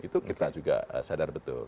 itu kita juga sadar betul